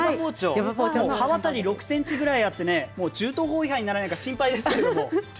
刃渡り６ｃｍほどあって銃刀法違反にならないか心配ですけれども。